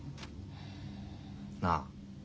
なあ